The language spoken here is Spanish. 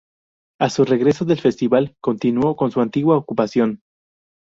A su regreso del festival, continuó con su antigua ocupación.